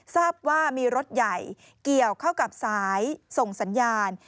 ทราบว่ามีรถใหญ่เกี่ยวเข้ากับสายส่งสัญญาณ